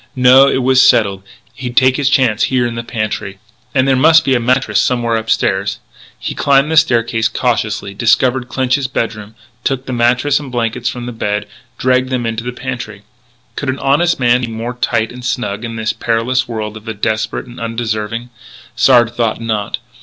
No; it was settled. He'd take his chance here in the pantry.... And there must be a mattress somewhere upstairs. He climbed the staircase, cautiously, discovered Clinch's bedroom, took the mattress and blankets from the bed, dragged them to the pantry. Could any honest man be more tight and snug in this perilous world of the desperate and undeserving? Sard thought not.